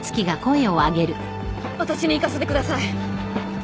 私に行かせてください。